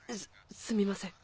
すすみません。